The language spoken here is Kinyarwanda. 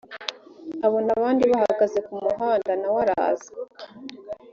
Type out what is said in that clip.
abona abandi bahagaze ku muhanda na we araza